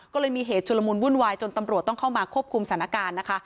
ก็เลยมีเหตุชุลมุนวุ่นวายจนตำรวจต้องเข้ามาควบคุมสถานการณ์นะคะ